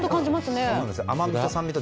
甘みと酸味と。